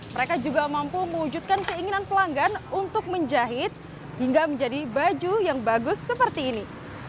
mereka juga mampu mewujudkan keinginan pelanggan untuk menjahit hingga menjadi baju yang bagus seperti ini